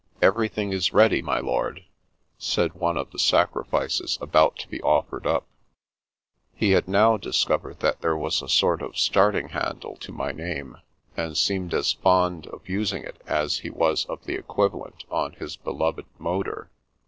" Everything is ready, my lord," said one of the sacrifices about to be offered up. He had now dis covered that there was a sort of starting handle to my name, and seemed as fond of using it as he was of the equivalent on his beloved motor.